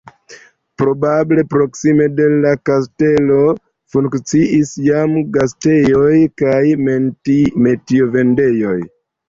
Probable proksime de la kastelo funkciis jam gastejoj kaj metio-vendejoj.